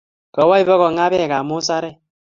Kawo ip kong'aa pekap musarek